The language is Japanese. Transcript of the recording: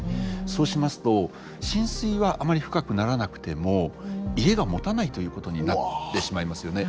そうしますと浸水はあまり深くならなくても家がもたないということになってしまいますよね。